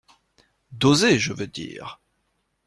D’oser je veux dire.